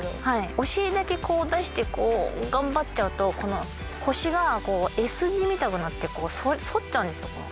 お尻だけこう出してこう頑張っちゃうとこの腰がＳ字みたくなって反っちゃうんですよ。